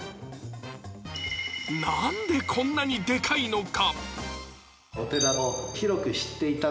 なんで、こんなにデカいのか。